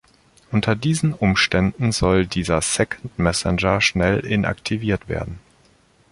Unter diesen Umständen soll dieser "second messenger" schnell inaktiviert werden.